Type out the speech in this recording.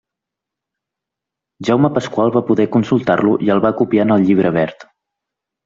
Jaume Pasqual va poder consultar-lo i el va copiar en el Llibre Verd.